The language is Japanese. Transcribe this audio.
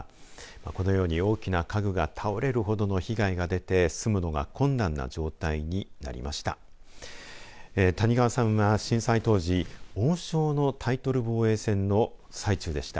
このように大きな家具が倒れるほどの被害が出て住むのが困難な状態になりました。